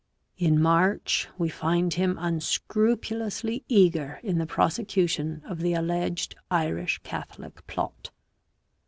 In March we find him unscrupulously eager in the prosecution of the alleged Irish Catholic plot.